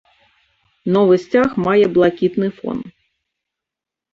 Новы сцяг мае блакітны фон.